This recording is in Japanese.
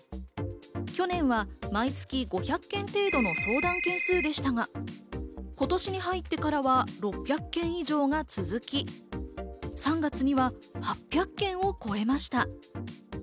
去年は毎月５００件程度の相談件数でしたが、今年に入ってからは６００件以上が続き、３月には８００件を超えました。